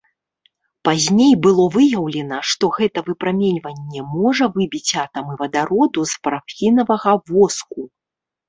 Пазней было выяўлена, што гэта выпраменьванне можа выбіць атамы вадароду з парафінавага воску.